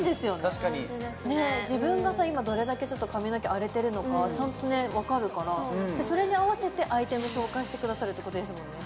確かに自分が今どれだけ髪の毛荒れてるのかちゃんとわかるからそれに合わせてアイテム紹介してくださるってことですもんね